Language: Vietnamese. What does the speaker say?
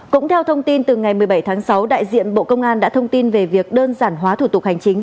cũng theo thông tin từ ngày một mươi bảy tháng sáu đại diện bộ công an đã thông tin về việc đơn giản hóa thủ tục hành chính